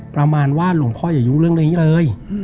ประมาณว่าหลวงพ่ออย่ายุ่งเรื่องนี้เลย